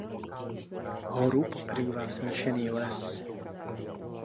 Horu pokrývá smíšený les.